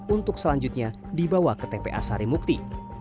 untuk selanjutnya dibawa ke tpa sarimukti